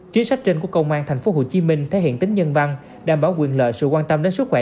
chính sách trên của công an tp hcm thể hiện tính nhân văn đảm bảo quyền lợi sự quan tâm đến sức khỏe